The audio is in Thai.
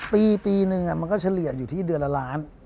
ปีนึงมันก็เฉลี่ยอยู่ที่เดือนละล้าน